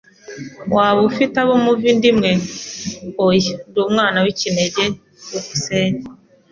"Waba ufite abo muva inda imwe?" "Oya, ndi umwana w'ikinege." byukusenge